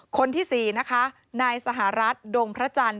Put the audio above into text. คนที่๔นะคะนายสหรัฐดงพระจันทร์